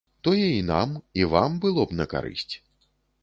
Тое і нам, і вам было б на карысць.